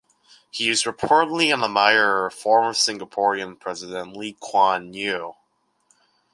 He is reportedly an admirer of former Singaporean president Lee Kuan Yew.